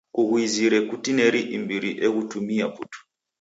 Kughuizire kutineri imbiri eghutumia putu.